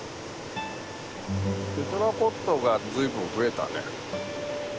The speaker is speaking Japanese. テトラポッドが随分増えたね。